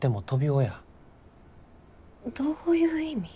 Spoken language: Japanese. どういう意味？